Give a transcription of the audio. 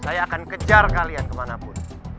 saya akan kejar kalian kemana pun